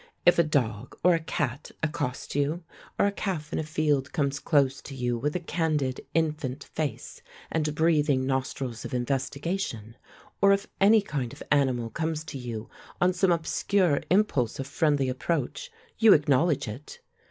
If a dog or a cat accosts you, or a calf in a field comes close to you with a candid infant face and breathing nostrils of investigation, or if any kind of animal comes to you on some obscure impulse of friendly approach, you acknowledge it.